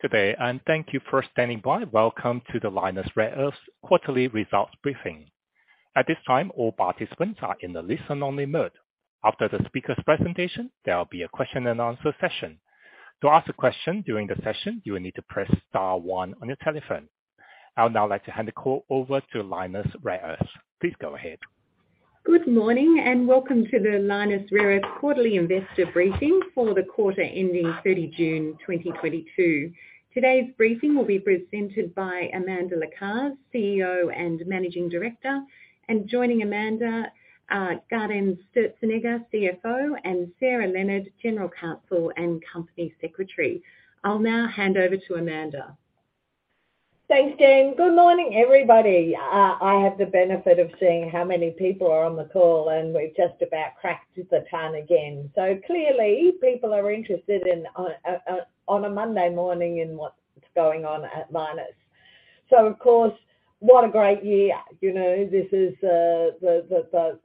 Today, thank you for standing by. Welcome to the Lynas Rare Earths quarterly results briefing. At this time, all participants are in the listen-only mode. After the speaker's presentation, there will be a question, and answer session. To ask a question during the session, you will need to press star one on your telephone. I'll now like to hand the call over to Lynas Rare Earths. Please go ahead. Good morning and welcome to the Lynas Rare Earths quarterly investor briefing for the quarter ending 30 June 2022. Today's briefing will be presented by Amanda Lacaze, CEO and Managing Director. Joining Amanda, Gaudenz Sturzenegger, CFO, and Sarah Leonard, General Counsel and Company Secretary. I'll now hand over to Amanda. Thanks, Jen. Good morning, everybody. I have the benefit of seeing how many people are on the call, and we've just about cracked a ton again. Clearly people are interested in on a Monday morning in what's going on at Lynas. Of course, what a great year. You know, this is the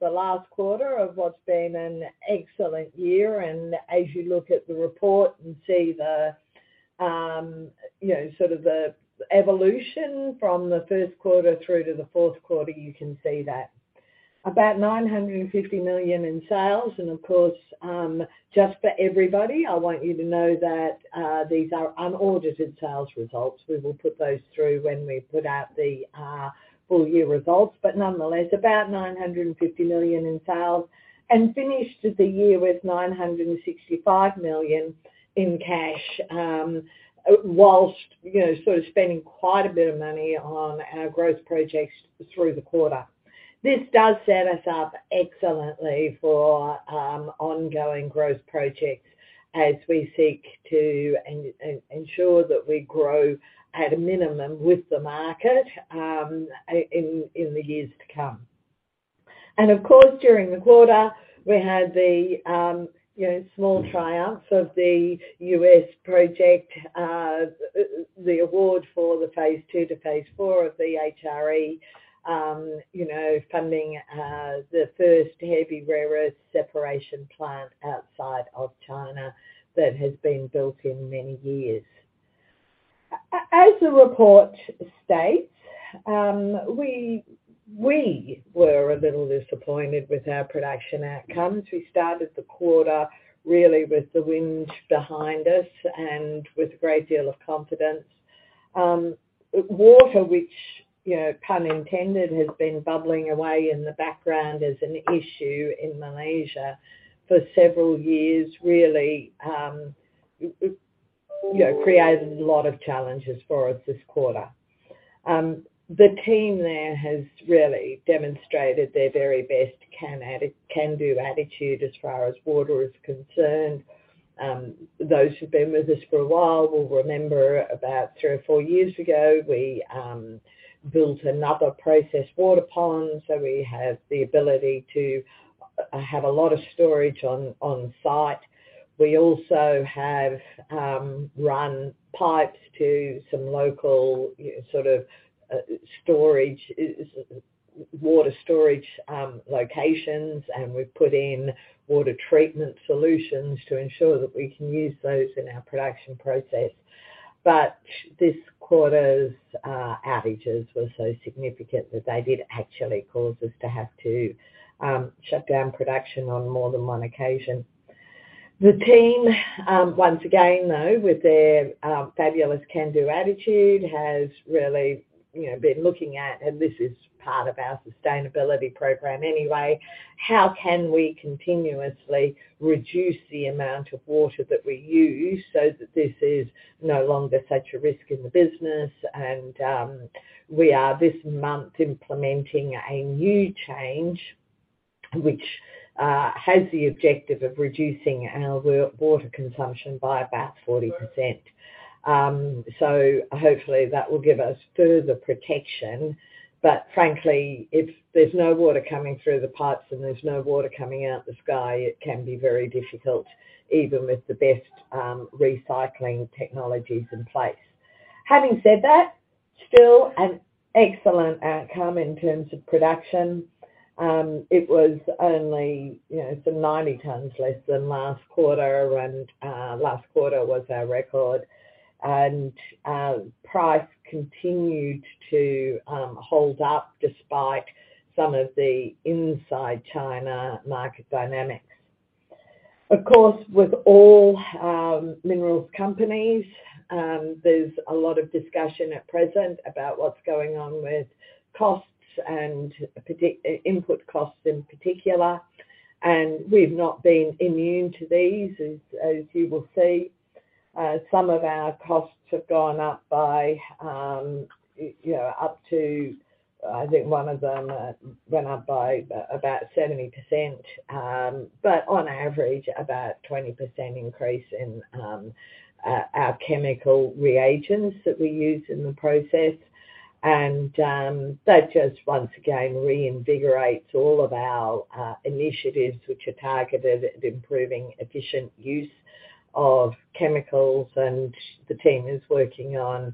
last quarter of what's been an excellent year. As you look at the report and see the, you know, sort of the evolution from the Q1 through to the fourth quarter, you can see that. About 950 million in sales, and of course, just for everybody, I want you to know that these are unaudited sales results. We will put those through when we put out the full year results. Nonetheless, about 950 million in sales and finished the year with 965 million in cash, while, you know, sort of spending quite a bit of money on our growth projects through the quarter. This does set us up excellently for ongoing growth projects as we seek to ensure that we grow at a minimum with the market in the years to come. Of course, during the quarter, we had the, you know, small triumph of the U.S. project, the award for the phase II to phase IV of the HRE funding, the first heavy rare earth separation plant outside of China that has been built in many years. As the report states, we were a little disappointed with our production outcomes. We started the quarter really with the wind behind us and with a great deal of confidence. Water, which, you know, pun intended, has been bubbling away in the background as an issue in Malaysia for several years, really created a lot of challenges for us this quarter. The team there has really demonstrated their very best can-do attitude as far as water is concerned. Those who've been with us for a while will remember about three or four years ago, we built another process water pond, so we have the ability to have a lot of storage on site. We also have run pipes to some local, you know, sort of water storage locations, and we've put in water treatment solutions to ensure that we can use those in our production process. This quarter's outages were so significant that they did actually cause us to have to shut down production on more than one occasion. The team, once again, though, with their fabulous can-do attitude, has really, you know, been looking at, and this is part of our sustainability program anyway, how can we continuously reduce the amount of water that we use so that this is no longer such a risk in the business. We are this month implementing a new change which has the objective of reducing our water consumption by about 40%. So hopefully that will give us further protection. Frankly, if there's no water coming through the pipes and there's no water coming out the sky, it can be very difficult even with the best recycling technologies in place. Having said that, still an excellent outcome in terms of production. It was only, you know, some 90 tons less than last quarter, and last quarter was our record. Price continued to hold up despite some of the inside China market dynamics. Of course, with all minerals companies, there's a lot of discussion at present about what's going on with costs, and input costs in particular, and we've not been immune to these. As you will see, some of our costs have gone up by, you know, up to, I think one of them went up by about 70%, but on average about 20% increase in our chemical reagents that we use in the process. That just once again reinvigorates all of our initiatives which are targeted at improving efficient use of chemicals. The team is working on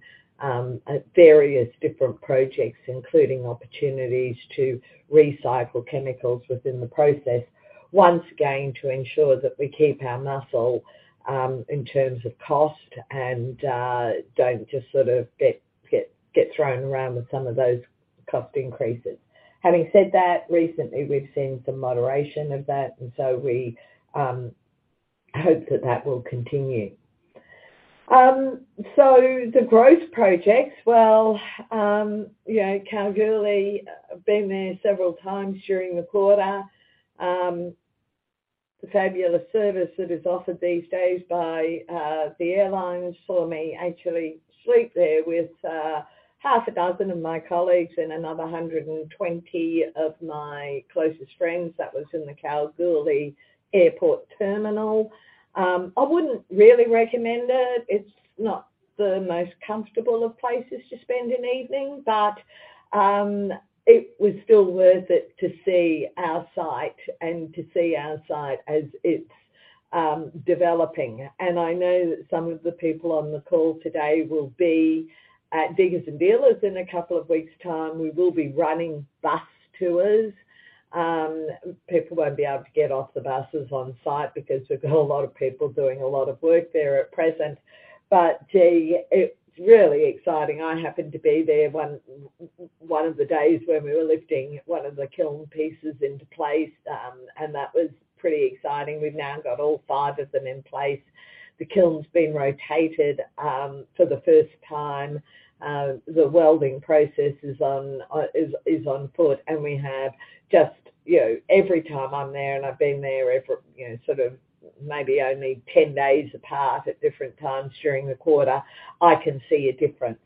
various different projects, including opportunities to recycle chemicals within the process. Once again, to ensure that we keep our muscle in terms of cost and don't just sort of get thrown around with some of those cost increases. Having said that, recently we've seen some moderation of that, and so we hope that that will continue. The growth projects, well, you know, Kalgoorlie, I've been there several times during the quarter. The fabulous service that is offered these days by the airlines saw me actually sleep there with half a dozen of my colleagues and another 120 of my closest friends. That was in the Kalgoorlie Airport terminal. I wouldn't really recommend it. It's not the most comfortable of places to spend an evening. It was still worth it to see our site as it's developing. I know that some of the people on the call today will be at Diggers & Dealers in a couple of weeks' time. We will be running bus tours. People won't be able to get off the buses on site because we've got a lot of people doing a lot of work there at present. Gee, it's really exciting. I happened to be there one of the days when we were lifting one of the kiln pieces into place, and that was pretty exciting. We've now got all five of them in place. The kiln's been rotated for the first time. The welding process is afoot, and we have just, you know, every time I'm there, and I've been there every, you know, sort of maybe only 10 days apart at different times during the quarter, I can see a difference.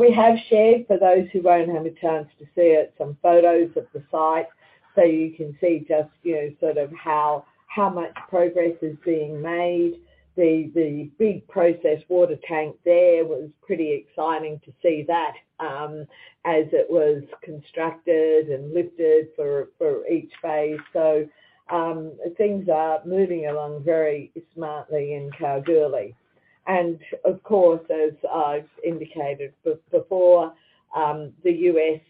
We have shared, for those who won't have a chance to see it, some photos of the site, so you can see just, you know, sort of how much progress is being made. The big process water tank there was pretty exciting to see that as it was constructed and lifted for each phase. Things are moving along very smartly in Kalgoorlie. Of course, as I've indicated before, the U.S.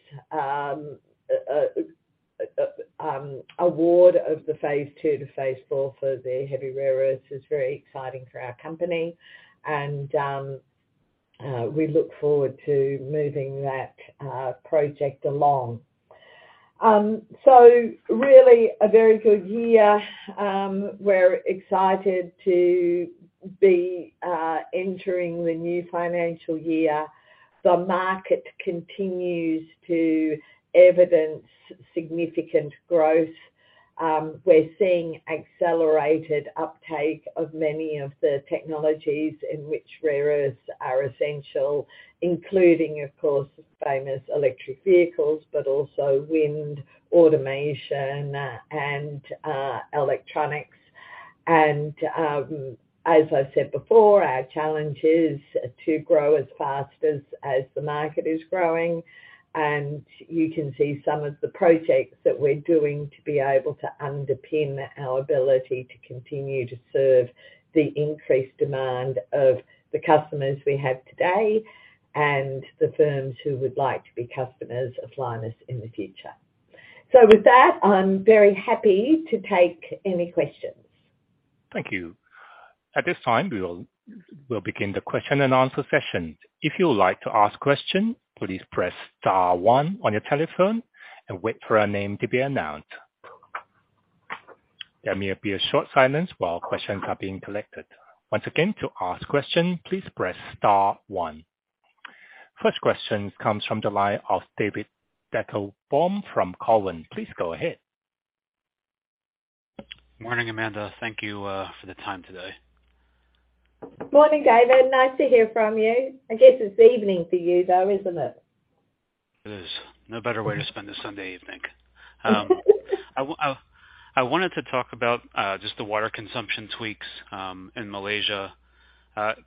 award of the phase two to phase four for the heavy rare earths is very exciting for our company, and we look forward to moving that project along. Really a very good year. We're excited to be entering the new financial year. The market continues to evidence significant growth. We're seeing accelerated uptake of many of the technologies in which rare earths are essential, including, of course, the famous electric vehicles, but also wind, automation, and electronics. As I said before, our challenge is to grow as fast as the market is growing. You can see some of the projects that we're doing to be able to underpin our ability to continue to serve the increased demand of the customers we have today and the firms who would like to be customers of Lynas in the future. With that, I'm very happy to take any questions. Thank you. At this time, we'll begin the question and answer session. If you would like to ask question, please press star one on your telephone ,and wait for a name to be announced. There may be a short silence while questions are being collected. Once again, to ask question, please press star one. First question comes from the line of David Deckelbaum from Cowen. Please go ahead. Morning, Amanda. Thank you for the time today. Morning, David. Nice to hear from you. I guess it's evening for you, though, isn't it? It is. No better way to spend a Sunday evening. I wanted to talk about just the water consumption tweaks in Malaysia.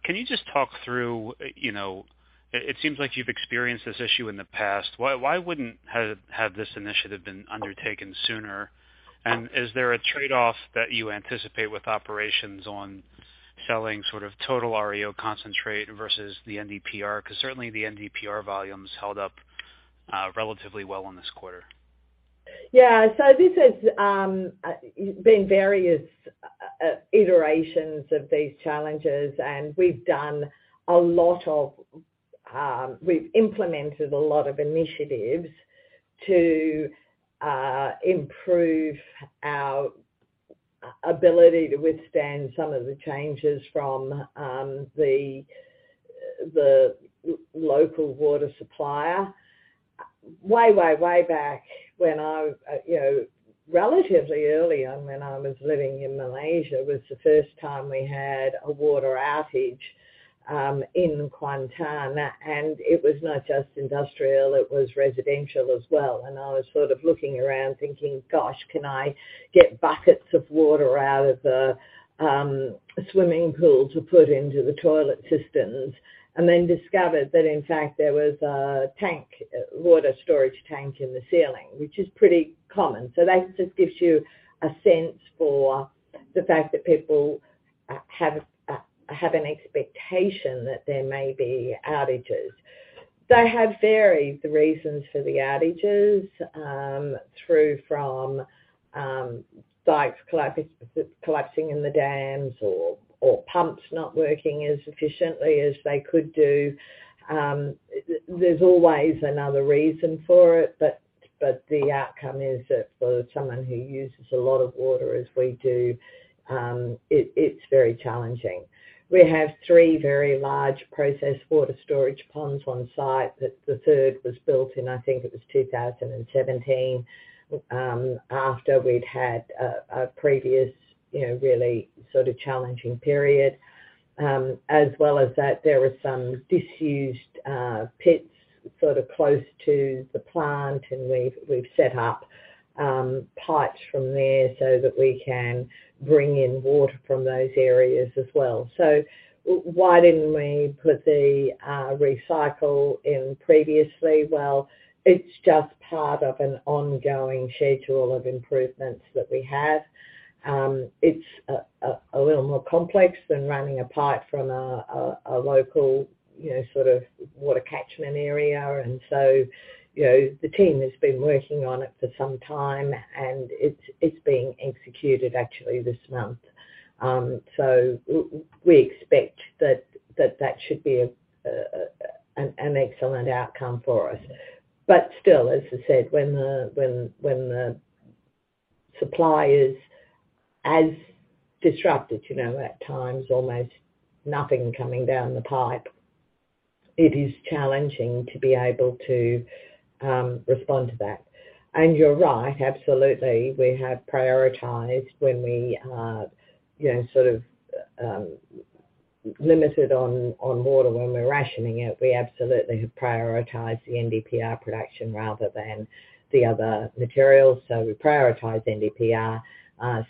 Can you just talk through it seems like you've experienced this issue in the past. Why wouldn't have this initiative been undertaken sooner? Is there a trade-off that you anticipate with operations on selling sort of total REO concentrate versus the NdPr? 'Cause certainly the NdPr volumes held up relatively well in this quarter. Yeah. This has been various iterations of these challenges, and we've implemented a lot of initiatives to improve our ability to withstand some of the changes from the local water supplier. Way back when I, you know, relatively early on when I was living in Malaysia was the first time we had a water outage in Kuantan. It was not just industrial, it was residential as well. I was sort of looking around thinking, "Gosh, can I get buckets of water out of the swimming pool to put into the toilet systems?" Then I discovered that in fact there was a water storage tank in the ceiling, which is pretty common. That just gives you a sense for the fact that people have an expectation that there may be outages. They have varied the reasons for the outages from dikes collapsing in the dams or pumps not working as efficiently as they could do. There's always another reason for it, but the outcome is that for someone who uses a lot of water as we do, it's very challenging. We have three very large process water storage ponds on site. The third was built in, I think it was 2017, after we'd had a previous, you know, really sort of challenging period. As well as that there were some disused pits sort of close to the plant, and we've set up pipes from there so that we can bring in water from those areas as well. Why didn't we put the recycle in previously? Well, it's just part of an ongoing schedule of improvements that we have. It's a little more complex than running a pipe from a local, you know, sort of water catchment area. You know, the team has been working on it for some time, and it's being executed actually this month. We expect that that should be an excellent outcome for us. Still, as I said, when the supply is as disrupted, you know, at times almost nothing coming down the pipe, it is challenging to be able to respond to that. You're right, absolutely. We have prioritized when we are, you know, sort of, limited on water, when we're rationing it, we absolutely have prioritized the NdPr production rather than the other materials. We prioritize NdPr.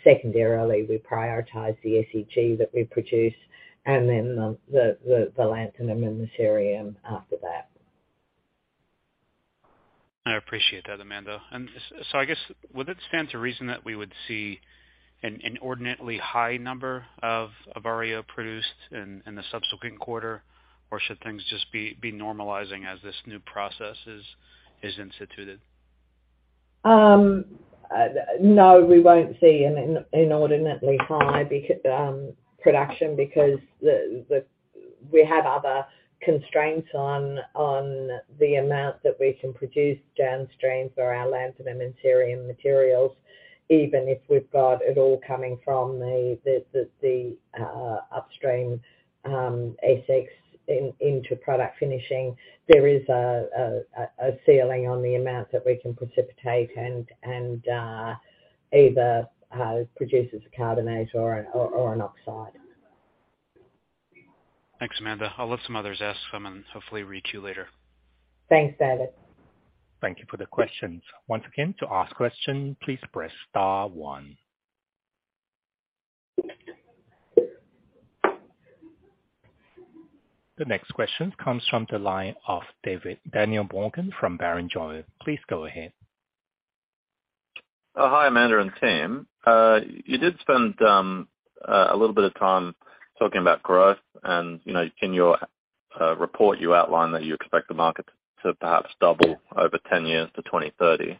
Secondarily, we prioritize the SEG that we produce and then the lanthanum and the cerium after that. I appreciate that, Amanda. So I guess would it stand to reason that we would see an inordinately high number of REO produced in the subsequent quarter? Should things just be normalizing as this new process is instituted? No, we won't see an inordinately high production because we have other constraints on the amount that we can produce downstream for our lanthanum. And cerium materials. Even if we've got it all coming from the upstream SX into product finishing. There is a ceiling on the amount that we can precipitate and either produce as a carbonate or an oxide. Thanks, Amanda. I'll let some others ask some and hopefully reach you later. Thanks, David. Thank you for the questions. Once again, to ask question, please press star one. The next question comes from the line of Daniel Morgan from Barrenjoey. Please go ahead. Oh, hi, Amanda and team. You did spend a little bit of time talking about growth and, you know, in your report you outlined that you expect the market to perhaps double over 10 years to 2030.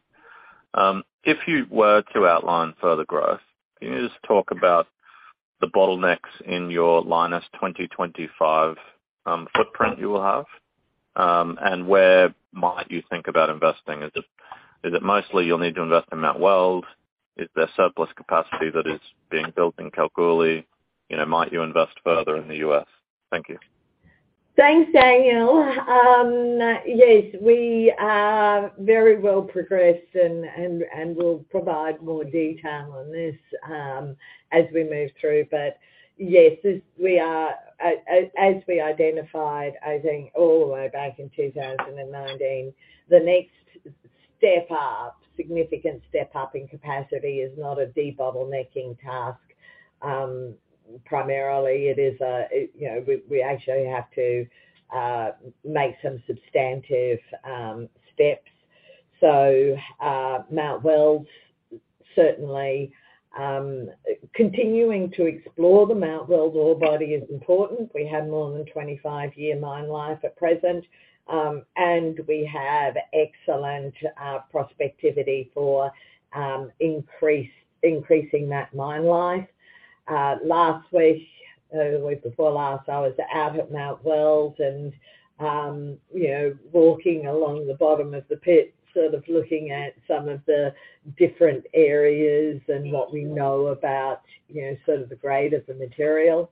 If you were to outline further growth, can you just talk about the bottlenecks in your Lynas 2025 footprint you will have? And where might you think about investing? Is it mostly you'll need to invest in Mount Weld? Is there surplus capacity that is being built in Kalgoorlie? You know, might you invest further in the US? Thank you. Thanks, Daniel. Yes, we are very well progressed, and we'll provide more detail on this as we move through. Yes, as we identified, I think all the way back in 2019, the next step up, significant step up in capacity is not a debottlenecking task. Primarily it is a, you know, we actually have to make some substantive steps. Mount Weld, certainly, continuing to explore the Mount Weld ore body is important. We have more than 25-year mine life at present. And we have excellent prospectivity for increasing that mine life. Last week, or the week before last, I was out at Mount Weld and, you know, walking along the bottom of the pit, sort of looking at some of the different areas and what we know about, you know, sort of the grade of the material.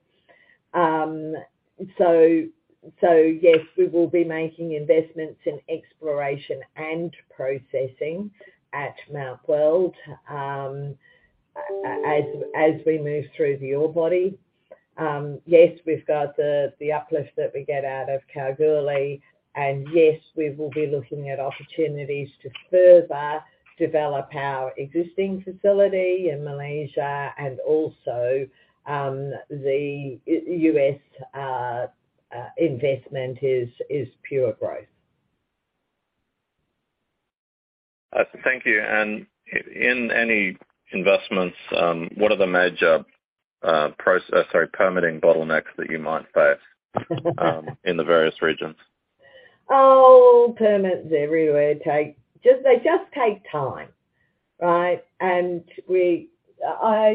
Yes, we will be making investments in exploration and processing at Mount Weld, as we move through the ore body. Yes, we've got the uplift that we get out of Kalgoorlie. Yes, we will be looking at opportunities to further develop our existing facility in Malaysia. Also, the U.S. investment is pure growth. Thank you. In any investments, what are the major permitting bottlenecks that you might face in the various regions? Permits everywhere take time. Right. I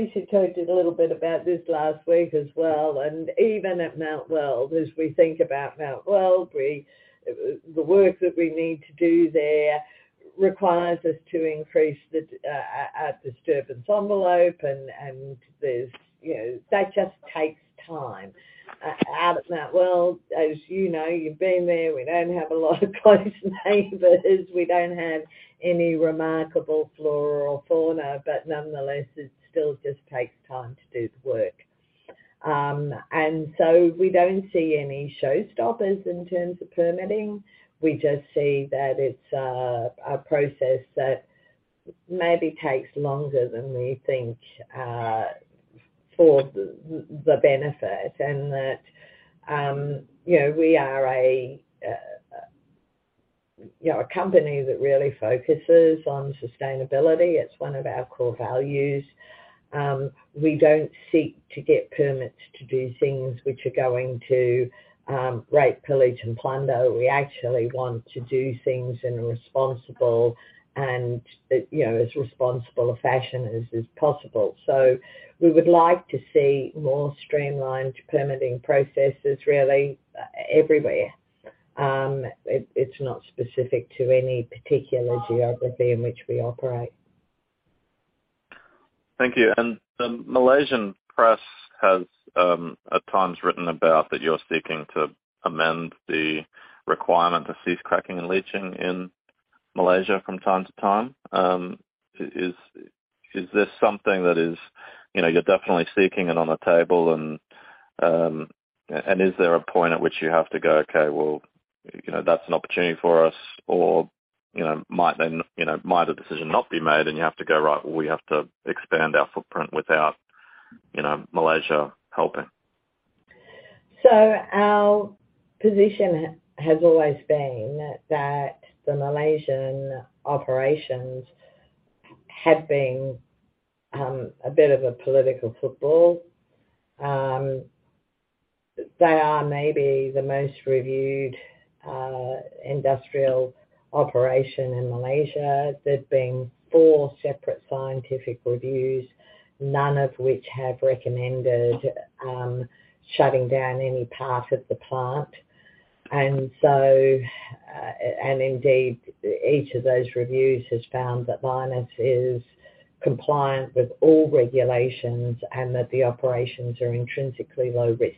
actually talked a little bit about this last week as well. Even at Mount Weld, as we think about Mount Weld, the work that we need to do there requires us to increase our disturbance envelope and there's, you know, that just takes time. Out at Mount Weld, as you know, you've been there, we don't have a lot of close neighbors. We don't have any remarkable flora or fauna, but nonetheless, it still just takes time to do the work. We don't see any showstopper in terms of permitting. We just see that it's a process that maybe takes longer than we think for the benefit. That, you know, we are a, you know, a company that really focuses on sustainability. It's one of our core values. We don't seek to get permits to do things which are going to rape, pillage, and plunder. We actually want to do things in a responsible and, you know, as responsible a fashion as is possible. We would like to see more streamlined permitting processes really everywhere. It's not specific to any particular geography in which we operate. Thank you. The Malaysian press has, at times, written about that you're seeking to amend the requirement to cease cracking, and leaching in Malaysia from time to time. Is this something that is, you know, you're definitely seeking and on the table, and is there a point at which you have to go, "Okay, well, you know, that's an opportunity for us," or, you know, might a decision not be made and you have to go, "Right, well, we have to expand our footprint without, you know, Malaysia helping"? Our position has always been that the Malaysian operations have been a bit of a political football. They are maybe the most reviewed industrial operation in Malaysia. There's been four separate scientific reviews, none of which have recommended shutting down any part of the plant. Indeed, each of those reviews has found that Lynas is compliant with all regulations, and that the operations are intrinsically low risk.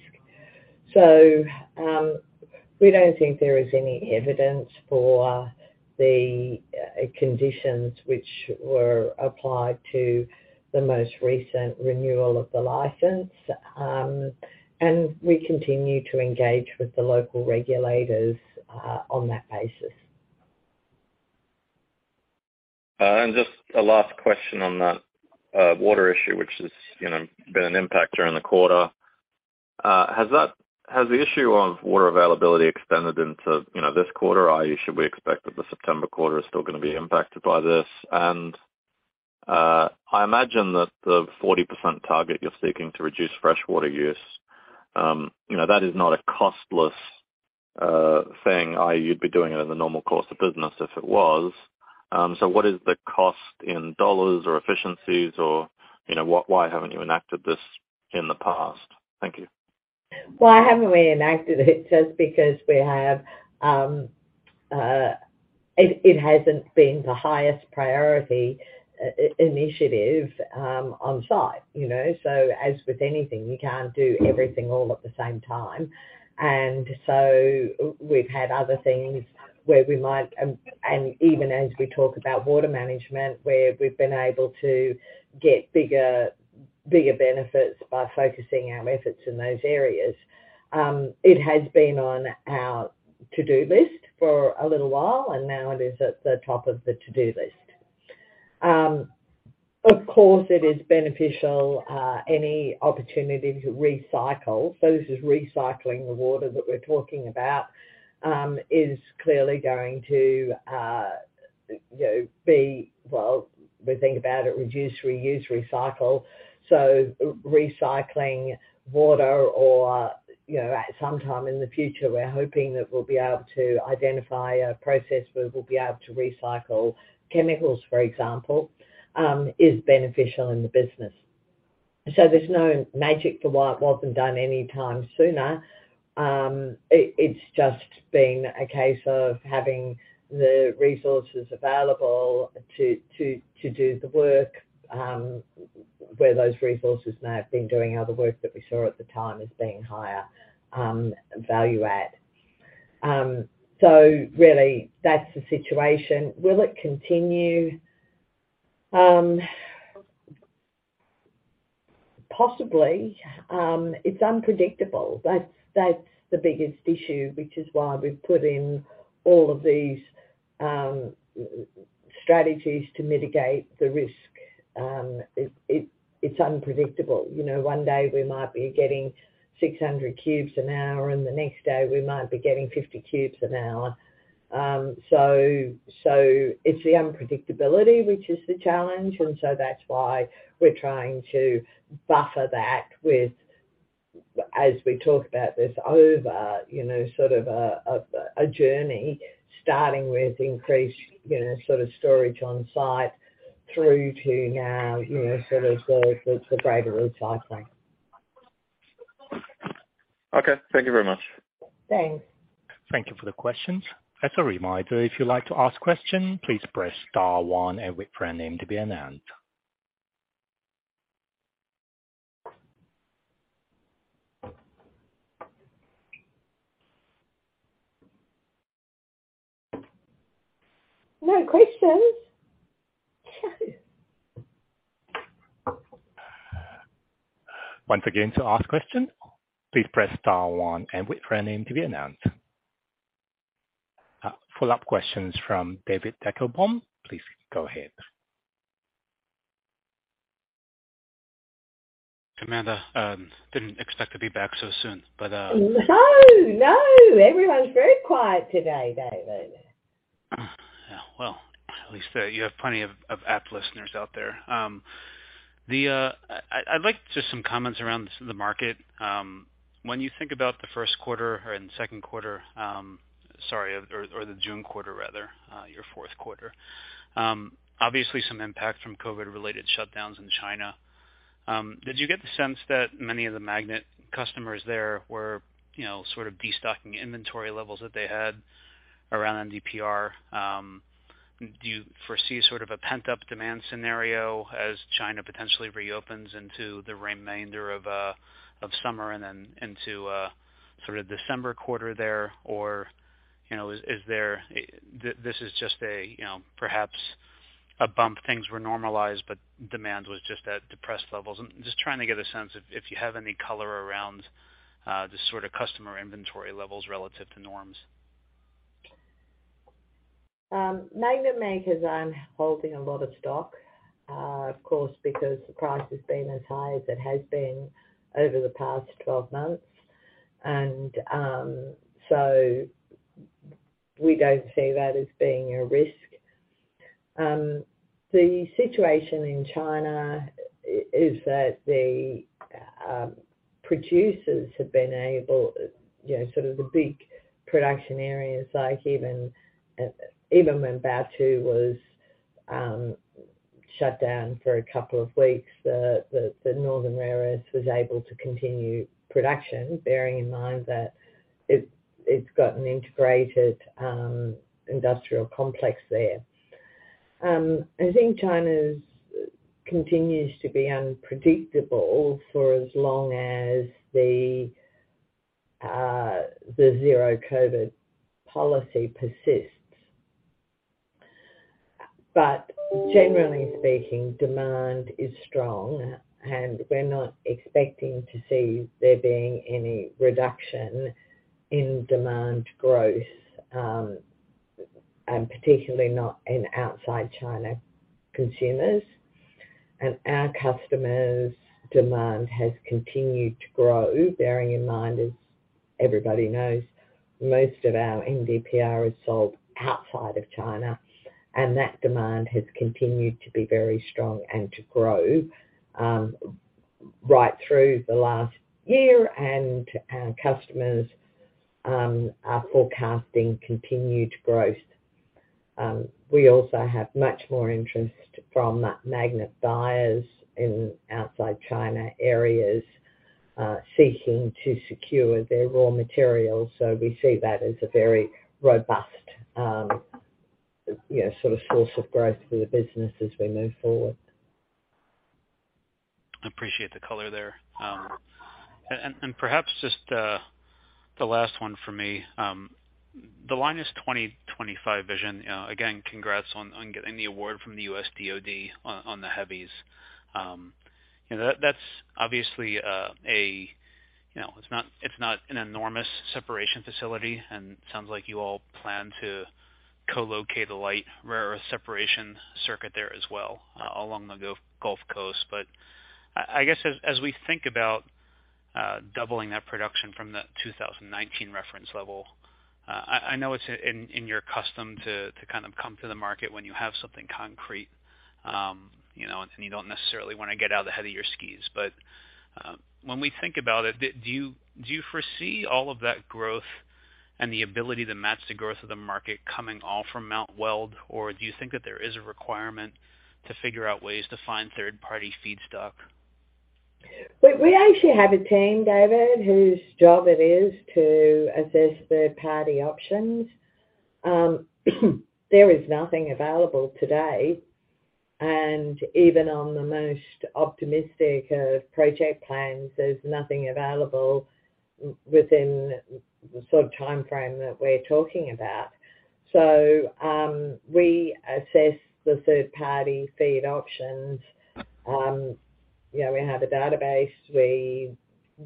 We don't think there is any evidence for the conditions which were applied to the most recent renewal of the license. We continue to engage with the local regulators on that basis. Just a last question on that water issue, which has, you know, been an impact during the quarter. Has the issue of water availability extended into, you know, this quarter? i.e., should we expect that the September quarter is still gonna be impacted by this? I imagine that the 40% target you're seeking to reduce freshwater use, you know, that is not a costless thing, i.e., you'd be doing it in the normal course of business if it was. What is the cost in dollars or efficiencies or, you know, why haven't you enacted this in the past? Thank you. Why haven't we enacted it? Just because we have it hasn't been the highest priority initiative on site, you know. As with anything, you can't do everything all at the same time. We've had other things where we might, and even as we talk about water management. Where we've been able to get bigger benefits by focusing our efforts in those areas. It has been on our to-do list for a little while, and now it is at the top of the to-do list. Of course, it is beneficial. Any opportunity to recycle. This is recycling the water that we're talking about, is clearly going to, you know, be. Well, we think about it, reduce, reuse, recycle. Recycling water or, you know, at some time in the future, we're hoping that we'll be able to identify a process where we'll be able to recycle chemicals, for example, is beneficial in the business. There's no magic to why it wasn't done any time sooner. It's just been a case of having the resources available to do the work, where those resources may have been doing other work that we saw at the time as being higher value add. Really, that's the situation. Will it continue? Possibly. It's unpredictable. That's the biggest issue, which is why we've put in all of these strategies to mitigate the risk. It's unpredictable. You know, one day we might be getting 600 cubes an hour, and the next day we might be getting 50 cubes an hour. So it's the unpredictability, which is the challenge. That's why we're trying to buffer that with as we talk about this over, you know, sort of a journey starting with increased, you know, sort of storage on site through to now, you know, sort of the greater recycling. Okay, thank you very much. Thanks. Thank you for the questions. As a reminder, if you'd like to ask a question, please press star one and wait for your name to be announced. No questions? Once again, to ask question, please press star one and wait for your name to be announced. Follow-up questions from David Deckelbaum. Please go ahead. Amanda, didn't expect to be back so soon, but. No, no. Everyone's very quiet today, David. Yeah, well, at least, you have plenty of apt listeners out there. I'd like just some comments around the market. When you think about the Q1 or the June quarter rather, your Q4, obviously some impact from COVID-related shutdowns in China. Did you get the sense that many of the magnet customers there were, you know, sort of destocking inventory levels that they had around NdPr? Do you foresee sort of a pent-up demand scenario as China potentially reopens into the remainder of summer and then into sort of December quarter there? You know, is this just a, you know, perhaps a bump. Things were normalized, but demand was just at depressed levels. I'm just trying to get a sense if you have any color around the sort of customer inventory levels relative to norms? Magnet makers aren't holding a lot of stock, of course, because the price has been as high as it has been over the past 12 months. So we don't see that as being a risk. The situation in China is that the producers have been able, you know, sort of the big production areas like even when Baotou was shut down for a couple of weeks, the northern areas was able to continue production, bearing in mind that it's got an integrated industrial complex there. I think China continues to be unpredictable for as long as the zero-COVID policy persists. But generally speaking, demand is strong, and we're not expecting to see there being any reduction in demand growth, and particularly not in outside China consumers. Our customers' demand has continued to grow, bearing in mind, as everybody knows, most of our NdPr is sold outside of China, and that demand has continued to be very strong and to grow, right through the last year, and our customers are forecasting continued growth. We also have much more interest from magnet buyers in outside China areas, seeking to secure their raw materials. We see that as a very robust, you know, sort of source of growth for the business as we move forward. Appreciate the color there. Perhaps just the last one for me. The Lynas 2025 vision, again, congrats on getting the award from the U.S. DoD on the heavies. You know, that's obviously a you know, it's not an enormous separation facility, and it sounds like you all plan to co-locate a light rare earth separation circuit there as well along the Gulf Coast. I guess as we think about doubling that production from the 2019 reference level, I know it's in your custom to kind of come to the market when you have something concrete, you know, and you don't necessarily wanna get out ahead of your skis. When we think about it, do you foresee all of that growth and the ability to match the growth of the market coming all from Mount Weld? Or do you think that there is a requirement to figure out ways to find third-party feedstock? We actually have a team, David, whose job it is to assess third-party options. There is nothing available today. Even on the most optimistic project plans, there's nothing available within the sort of timeframe that we're talking about. We assess the third-party feed options. You know, we have a database. We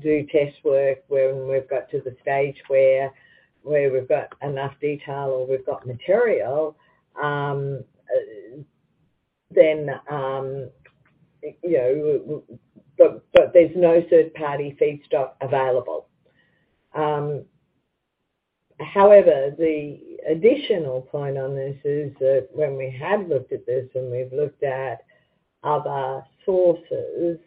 do test work when we've got to the stage where we've got enough detail or we've got material. But there's no third-party feedstock available. However, the additional point on this is that when we have looked at this and we've looked at other sources,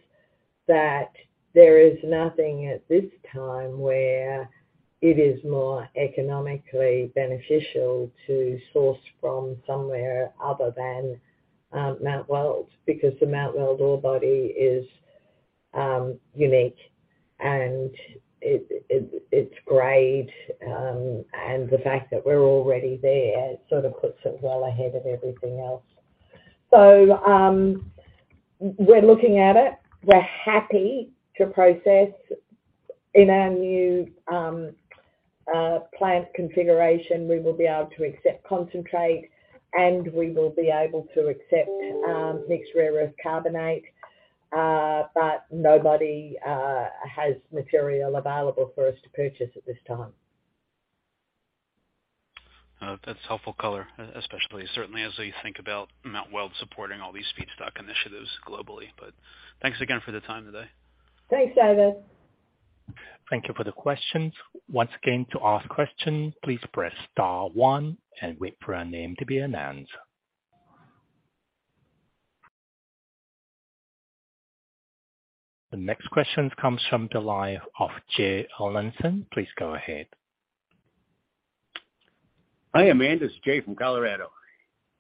that there is nothing at this time where it is more economically beneficial to source from somewhere other than Mount Weld, because the Mount Weld ore body is unique and it's great, and the fact that we're already there sort of puts it well ahead of everything else. We're looking at it. We're happy to process in our new plant configuration. We will be able to accept concentrate, and we will be able to accept Mixed Rare Earth Carbonate. But nobody has material available for us to purchase at this time. That's helpful color especially certainly as we think about Mount Weld supporting all these feedstock initiatives globally. Thanks again for the time today. Thanks, David. Thank you for the questions. Once again, to ask question, please press star one and wait for your name to be announced. The next question comes from the line of Jay Aronson. Please go ahead. Hi, Amanda. It's Jay from Colorado.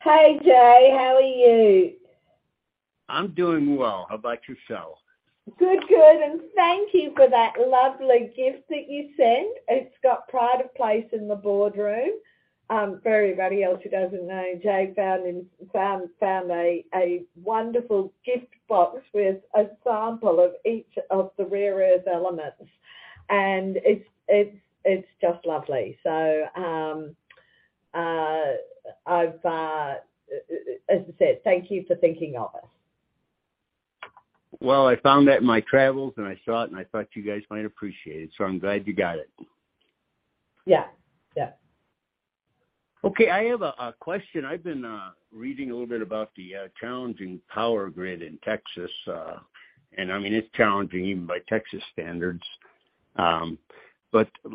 Hey, Jay. How are you? I'm doing well. How about yourself? Good, good. Thank you for that lovely gift that you sent. It's got pride of place in the boardroom. For everybody else who doesn't know, Jay found a wonderful gift box with a sample of each of the rare earth elements. It's just lovely. As I said, thank you for thinking of us. Well, I found that in my travels, and I aaw it, and I thought you guys might appreciate it, so I'm glad you got it. Yeah. Yeah. Okay. I have a question. I've been reading a little bit about the challenging power grid in Texas. I mean, it's challenging even by Texas standards. It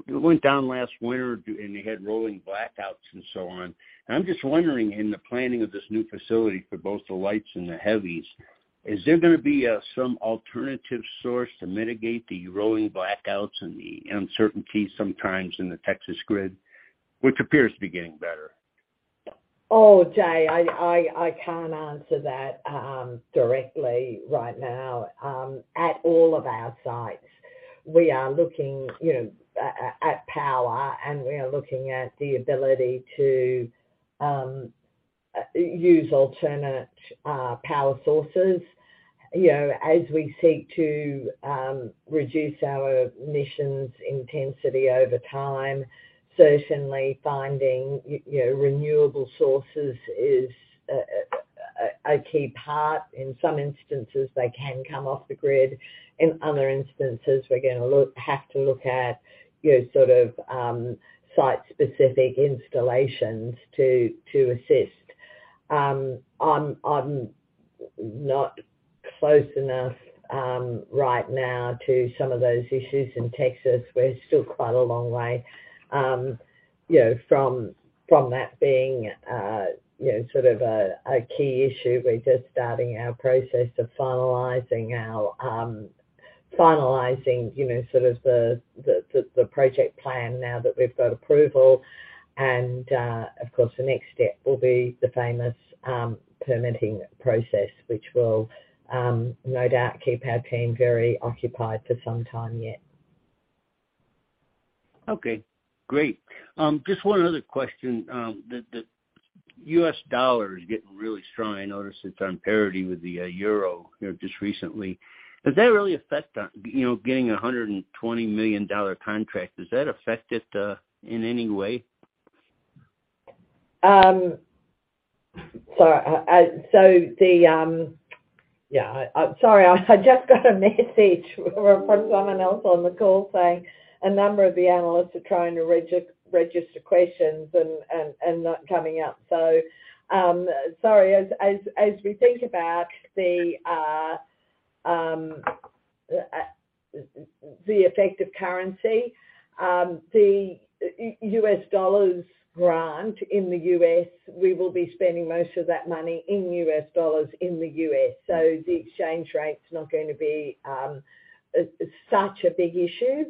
went down last winter and they had rolling blackouts and so on. I'm just wondering, in the planning of this new facility for both the lights and the heavies, is there gonna be some alternative source to mitigate the rolling blackouts and the uncertainty sometimes in the Texas grid, which appears to be getting better? Oh, Jay, I can't answer that directly right now. At all of our sites, we are looking, you know, at power, and we are looking at the ability to use alternate power sources. You know, as we seek to reduce our emissions intensity over time, certainly finding you know, renewable sources is a key part. In some instances, they can come off the grid. In other instances, we're gonna have to look at, you know, sort of site-specific installations to assist. I'm not close enough right now to some of those issues in Texas. We're still quite a long way, you know, from that being you know, sort of a key issue. We're just starting our process of finalizing our, you know, sort of the project plan now that we've got approval. Of course, the next step will be the famous permitting process, which will no doubt keep our team very occupied for some time yet. Okay. Great. Just one other question. The US dollar is getting really strong. I noticed it's on parity with the euro, you know, just recently. Does that really affect, you know, getting a $120 million contract? Does that affect it in any way? I'm sorry. I just got a message from someone else on the call saying a number of the analysts are trying to register questions and not coming up. Sorry. As we think about the effect of currency, the US dollars grant in the US, we will be spending most of that money in US dollars in the US. So the exchange rate's not gonna be such a big issue.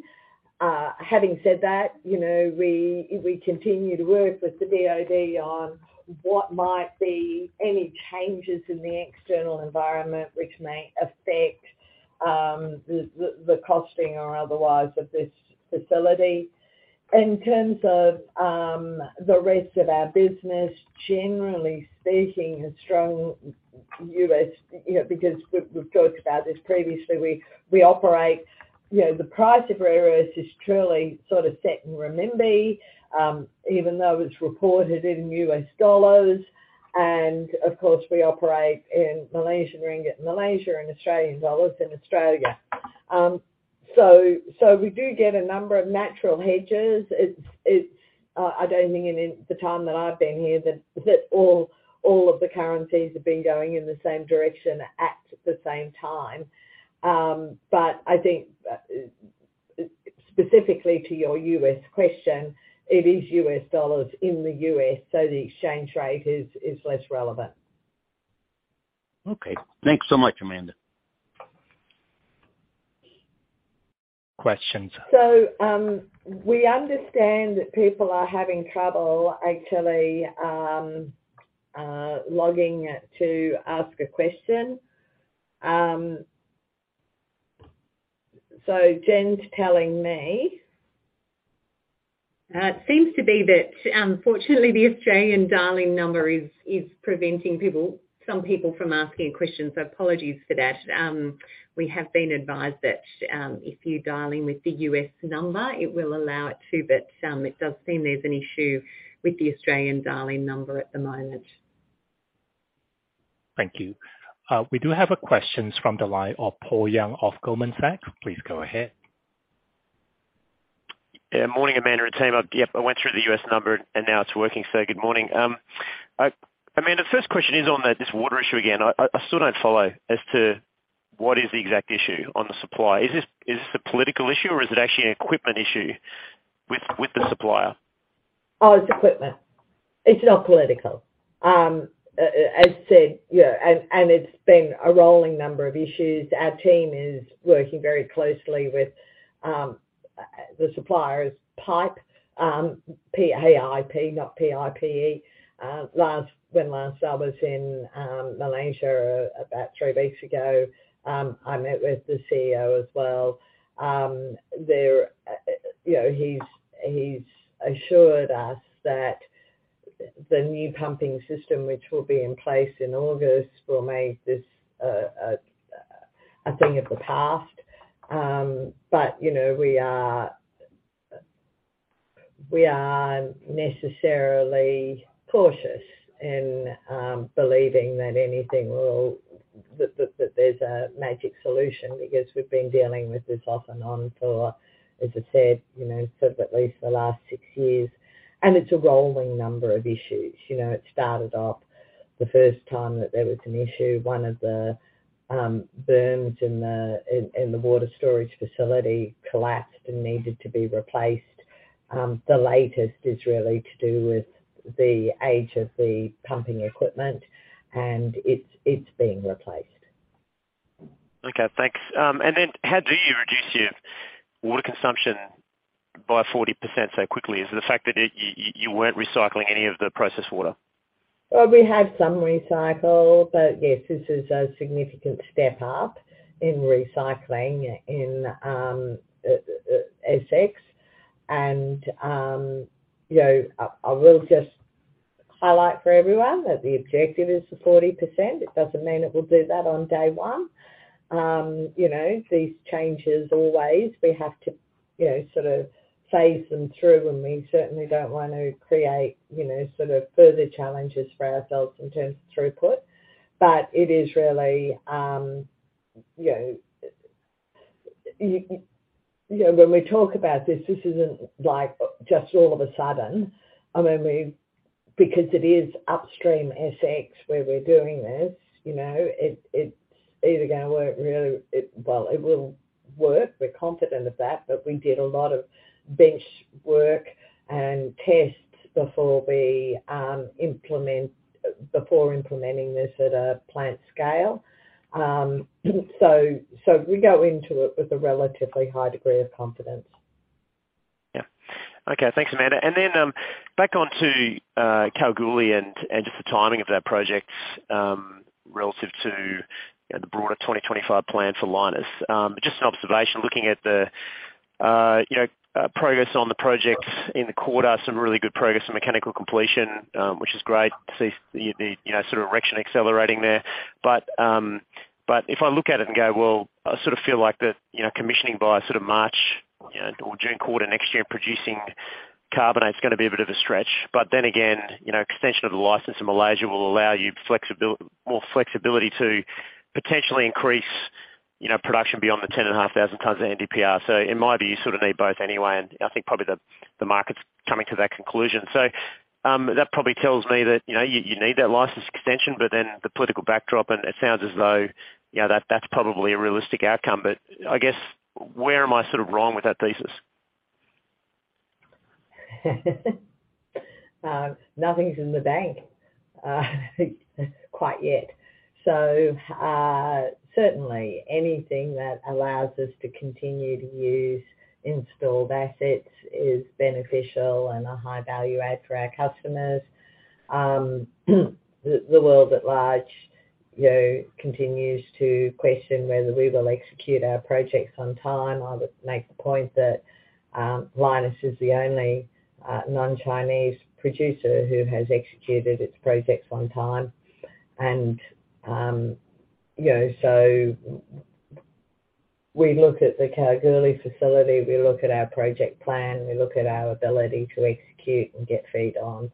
Having said that, you know, we continue to work with the DoD on what might be any changes in the external environment which may affect the costing or otherwise of this facility. In terms of the rest of our business, generally speaking, a strong U.S., you know, because we've talked about this previously, we operate, you know, the price of rare earths is truly sort of set in renminbi, even though it's reported in U.S. dollars. Of course, we operate in Malaysian ringgit in Malaysia and Australian dollars in Australia. We do get a number of natural hedges. I don't think in the time that I've been here that all of the currencies have been going in the same direction at the same time. I think specifically to your U.S. question, it is U.S. dollars in the U.S., so the exchange rate is less relevant. Okay. Thanks so much, Amanda. Questions. We understand that people are having trouble actually, logging to ask a question. Jen's telling me. It seems to be that unfortunately the Australian dialing number is preventing people, some people from asking questions. Apologies for that. We have been advised that, if you dial in with the US number, it will allow it to, but, it does seem there's an issue with the Australian dialing number at the moment. Thank you. We do have a question from the line of Paul Young of Goldman Sachs. Please go ahead. Yeah. Morning, Amanda and team. Yep, I went through the U.S. number and now it's working, so good morning. Amanda, first question is on this water issue again. I still don't follow as to what is the exact issue on the supply. Is this a political issue or is it actually an equipment issue with the supplier? It's equipment. It's not political. As I said, and it's been a rolling number of issues. Our team is working very closely with the suppliers, Paip. P-A-I-P, not P-I-P-E. When last I was in Malaysia about three weeks ago, I met with the CEO as well. They're, you know, he's assured us that the new pumping system which will be in place in August will make this a thing of the past. But, you know, we are necessarily cautious in believing that there's a magic solution because we've been dealing with this off and on for, as I said, you know, for at least the last six years. It's a rolling number of issues. You know, it started off the first time that there was an issue, one of the berms in the water storage facility collapsed and needed to be replaced. The latest is really to do with the age of the pumping equipment, and it's being replaced. Okay, thanks. How do you reduce your water consumption by 40% so quickly? Is it the fact that you weren't recycling any of the processed water? Well, we have some recycling, but yes, this is a significant step up in recycling in SX. I will just highlight for everyone that the objective is the 40%. It doesn't mean it will do that on day one. You know, these changes always we have to you know sort of phase them through, and we certainly don't want to create you know sort of further challenges for ourselves in terms of throughput. But it is really you know. You know, when we talk about this isn't like just all of a sudden. I mean, we because it is upstream SX where we're doing this, you know, it's either gonna work really. Well, it will work. We're confident of that, but we did a lot of bench work and tests before implementing this at a plant scale. We go into it with a relatively high degree of confidence. Yeah. Okay, thanks, Amanda. Then back onto Kalgoorlie and just the timing of that project relative to you know the broader 2025 plan for Lynas. Just an observation, looking at the you know progress on the project in the quarter, some really good progress on mechanical completion, which is great to see the you know sort of erection accelerating there. If I look at it and go, well, I sort of feel like the you know commissioning by sort of March you know or June quarter next year, producing carbonate is gonna be a bit of a stretch. Then again, you know extension of the license in Malaysia will allow you more flexibility to potentially increase you know production beyond the 10,500 tons of NdPr. In my view, you sort of need both anyway, and I think probably the market's coming to that conclusion. That probably tells me that, you know, you need that license extension, but then the political backdrop and it sounds as though, you know, that's probably a realistic outcome. I guess where am I sort of wrong with that thesis? Nothing's in the bank quite yet. Certainly anything that allows us to continue to use installed assets is beneficial, and a high-value add for our customers. The world at large, you know, continues to question whether we will execute our projects on time. I would make the point that Lynas is the only non-Chinese producer who has executed its projects on time. You know, we look at the Kalgoorlie facility, we look at our project plan, we look at our ability to execute and get feed on.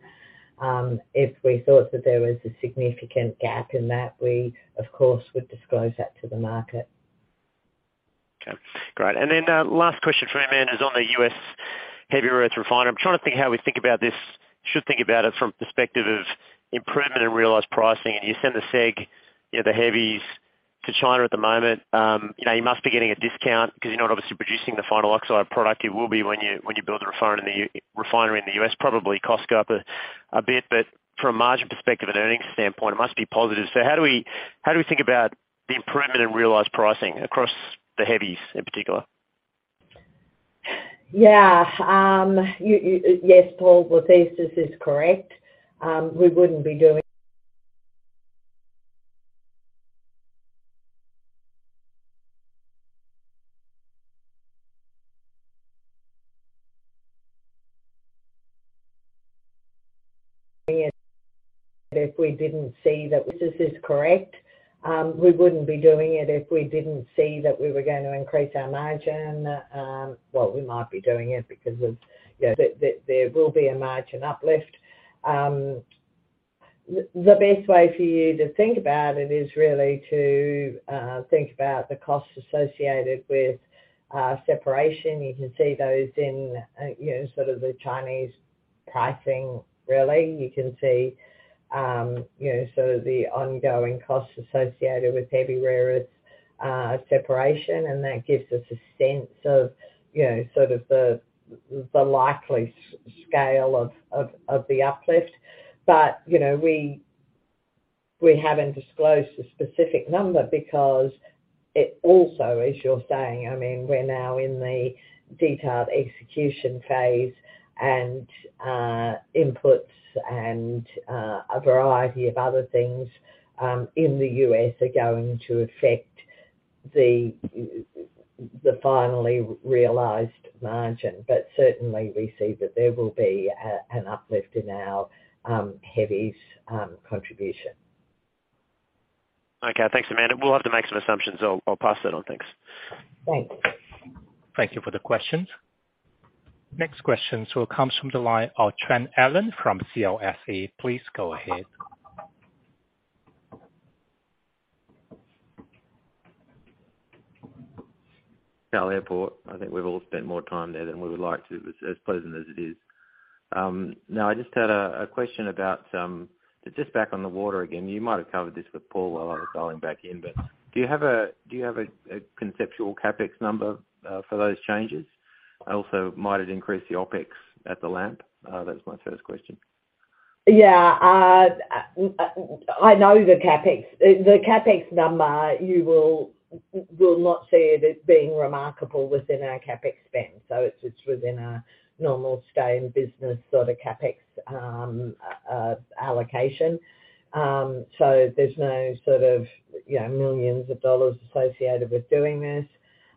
If we thought that there was a significant gap in that, we of course would disclose that to the market. Okay. Great. Last question for you, Amanda, is on the US heavy rare earth refiner. I'm trying to think how we think about this, should think about it from perspective of improvement and realized pricing. You said the SEG, the heavies to China at the moment, you must be getting a discount because you're not obviously producing the final oxide product. It will be when you build the refinery in the US, probably cost go up a bit. From a margin perspective and earnings standpoint, it must be positive. How do we think about the improvement in realized pricing across the heavies in particular? Yeah. Yes, Paul. Whether the thesis is correct, we wouldn't be doing it if we didn't see that the thesis is correct. We wouldn't be doing it if we didn't see that we were going to increase our margin. Well, we might be doing it because of, you know, there will be a margin uplift. The best way for you to think about it is really to think about the costs associated with separation. You can see those in, you know, sort of the Chinese pricing really. You can see, you know, sort of the ongoing costs associated with heavy rare earths separation, and that gives us a sense of, you know, sort of the likely scale of the uplift. You know, we haven't disclosed a specific number because it also, as you're saying, I mean, we're now in the detailed execution phase and inputs and a variety of other things in the U.S. are going to affect the finally realized margin. Certainly we see that there will be an uplift in our heavies contribution. Okay. Thanks, Amanda. We'll have to make some assumptions. I'll pass that on. Thanks. Thanks. Thank you for the questions. Next question comes from the line of Trent Allen from CLSA. Please go ahead. Kalgoorlie Airport. I think we've all spent more time there than we would like to, as pleasant as it is. No, I just had a question about just back on the water again. You might have covered this with Paul while I was dialing back in. Do you have a conceptual CapEx number for those changes? Also, might it increase the OpEx at the LAMP? That was my first question. Yeah. I know the CapEx. The CapEx number, you will not see it as being remarkable within our CapEx spend, so it's within our normal stay in business sort of CapEx allocation. So there's no sort of, you know, millions dollars associated with doing this.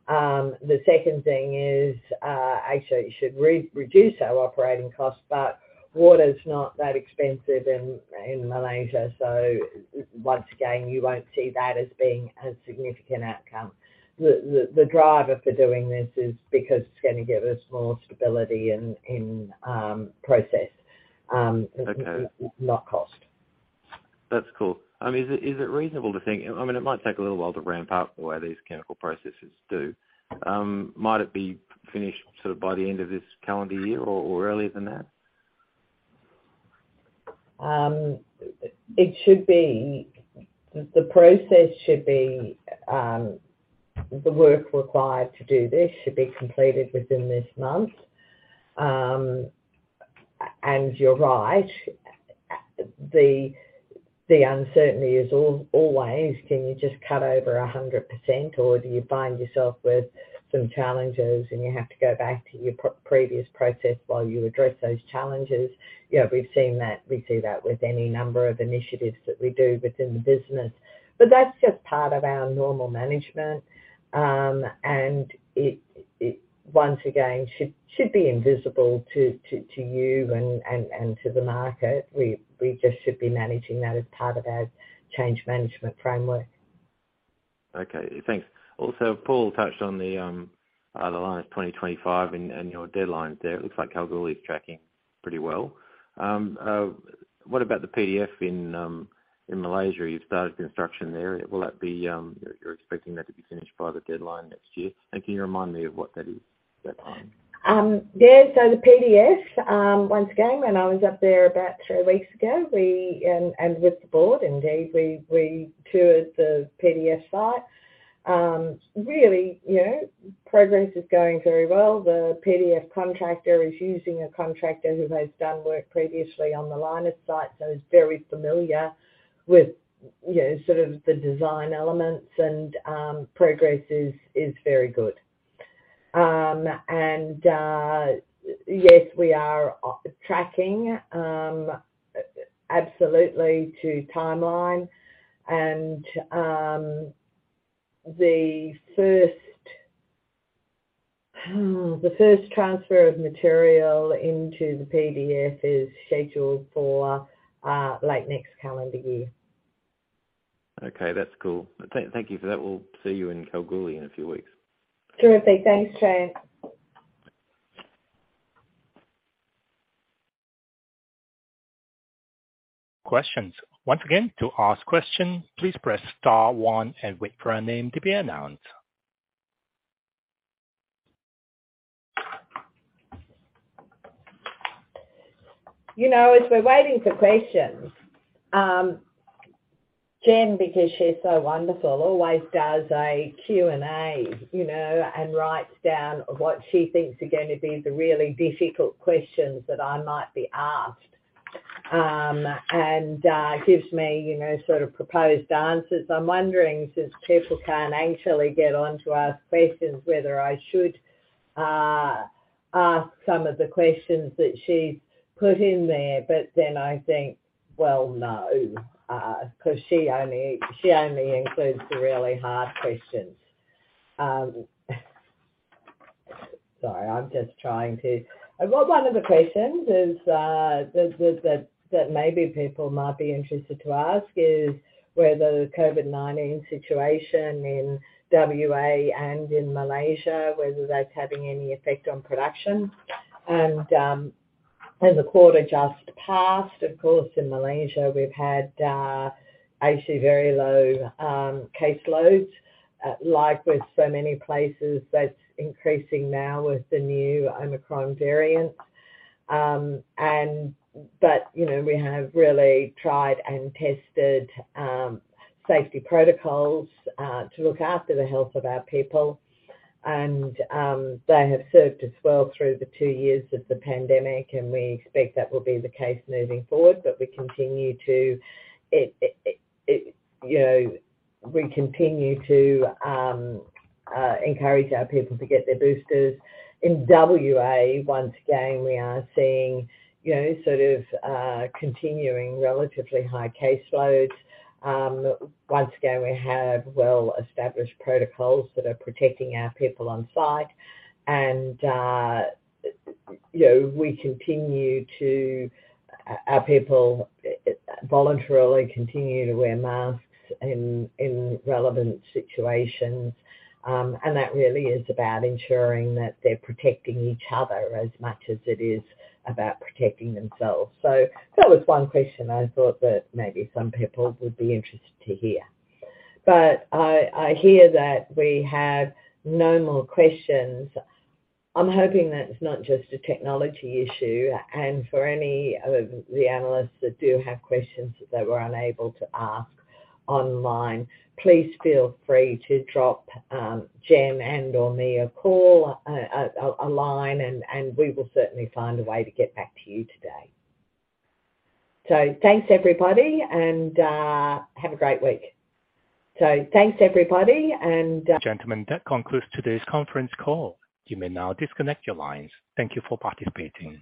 The second thing is, actually it should reduce our operating costs, but water's not that expensive in Malaysia, so once again, you won't see that as being a significant outcome. The driver for doing this is because it's gonna give us more stability in process. Okay. not cost. That's cool. I mean, is it reasonable to think, I mean, it might take a little while to ramp up the way these chemical processes do. Might it be finished sort of by the end of this calendar year or earlier than that? It should be. The process should be, the work required to do this should be completed within this month. You're right. The uncertainty is always, can you just cut over 100% or do you find yourself with some challenges and you have to go back to your previous process while you address those challenges? You know, we've seen that. We see that with any number of initiatives that we do within the business. That's just part of our normal management, and it once again should be invisible to you and to the market. We just should be managing that as part of our change management framework. Okay. Thanks. Also, Paul touched on the Lynas 2025 and your deadlines there. It looks like Kalgoorlie's tracking pretty well. What about the PDF in Malaysia? You've started construction there. Will that be? You're expecting that to be finished by the deadline next year? And can you remind me of what that is, that time? The PDF, once again, when I was up there about three weeks ago, we, with the board indeed, toured the PDF site. Really, you know, progress is going very well. The PDF contractor is using a contractor who has done work previously on the Lynas site, so is very familiar with, you know, sort of the design elements and, progress is very good. Yes, we are on track absolutely to timeline and, the first transfer of material into the PDF is scheduled for late next calendar year. Okay. That's cool. Thank you for that. We'll see you in Kalgoorlie in a few weeks. Terrific. Thanks, Trent. Questions. Once again, to ask question, please press star one and wait for your name to be announced. You know, as we're waiting for questions, Jen, because she's so wonderful, always does a Q&A, you know, and writes down what she thinks are gonna be the really difficult questions that I might be asked and gives me, you know, sort of proposed answers. I'm wondering, since people can't actually get on to ask questions, whether I should ask some of the questions that she's put in there. I think, well, no, 'cause she only includes the really hard questions. Well, one of the questions is that maybe people might be interested to ask is whether the COVID-19 situation in WA and in Malaysia, whether that's having any effect on production. In the quarter just passed, of course, in Malaysia, we've had actually very low caseloads. Like with so many places, that's increasing now with the new Omicron variant. You know, we have really tried and tested safety protocols to look after the health of our people. They have served us well through the two years of the pandemic, and we expect that will be the case moving forward. We continue to, you know, encourage our people to get their boosters. In WA, once again, we are seeing, you know, sort of continuing relatively high caseloads. Once again, we have well-established protocols that are protecting our people on site. Our people voluntarily continue to wear masks in relevant situations. That really is about ensuring that they're protecting each other as much as it is about protecting themselves. That was one question I thought that maybe some people would be interested to hear. I hear that we have no more questions. I'm hoping that's not just a technology issue. For any of the analysts that do have questions that they were unable to ask online, please feel free to drop Jen and/or me a call, a line and we will certainly find a way to get back to you today. Thanks, everybody, and have a great week. Thanks, everybody, and- Gentlemen, that concludes today's conference call. You may now disconnect your lines. Thank you for participating.